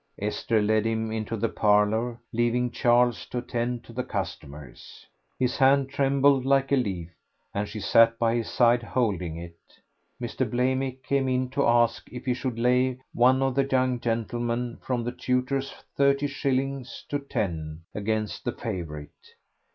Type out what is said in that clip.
Esther led him into the parlour, leaving Charles to attend to the customers. His hand trembled like a leaf, and she sat by his side holding it. Mr. Blamy came in to ask if he should lay one of the young gentlemen from the tutor's thirty shillings to ten against the favourite.